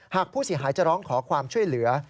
หากผู้เสียหายจะร้องขอความช่วยเหลือ